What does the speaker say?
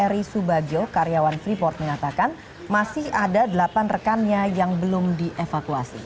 eri subagio karyawan freeport mengatakan masih ada delapan rekannya yang belum dievakuasi